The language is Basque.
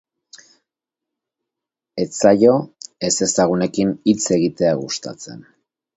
Ez zaio ezezagunekin hitz egitea gustatzen.